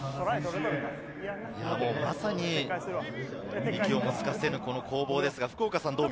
まさに息をもつかせぬ攻防です。